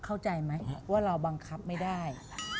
เข้าใจไหมว่าเราบังคับไม่ได้